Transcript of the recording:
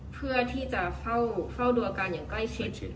เพื่อที่จะเฝ้าดูอาการอย่างใกล้ชิด